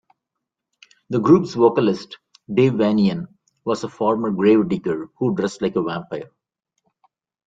The group's vocalist, Dave Vanian, was a former gravedigger who dressed like a vampire.